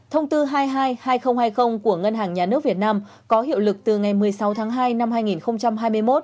thông tư hai mươi hai hai nghìn hai mươi của ngân hàng nhà nước việt nam có hiệu lực từ ngày một mươi sáu tháng hai năm hai nghìn hai mươi một